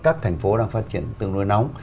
các thành phố đang phát triển từng nỗi nóng